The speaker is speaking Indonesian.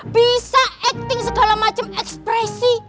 bisa acting segala macam ekspresi